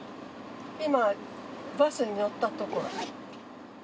今バスに乗ったところ。